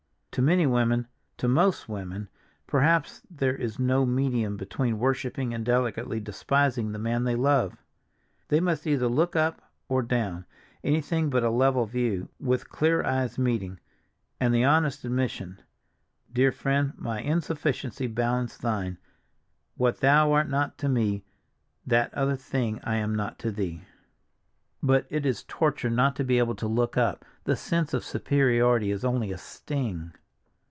To many women—to most women, perhaps—there is no medium between worshiping and delicately despising the man they love. They must either look up or down; anything but a level view, with clear eyes meeting, and the honest admission: Dear friend, my insufficiency balances thine. What thou art not to me, that other thing I am not to thee. But it is torture not to be able to look up! The sense of superiority is only a sting.